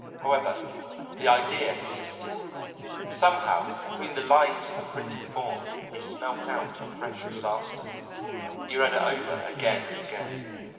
However, the idea persisted. Somehow, between the lines of the printed form he smelt out a fresh disaster. He read it over again and again.